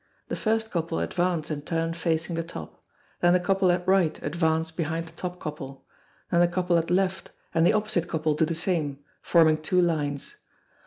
The first couple advance and turn facing the top; then the couple at right advance behind the top couple; then the couple at left and the opposite couple do the same, forming two lines.